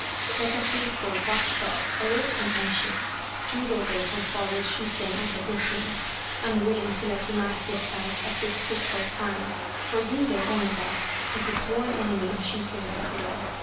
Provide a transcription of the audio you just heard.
Like a faithful watchdog, alert and anxious, Jurobei had followed Shusen at a distance, unwilling to let him out of his sight at this critical time, for Gunbei Onota was the sworn enemy of Shusen Sakurai.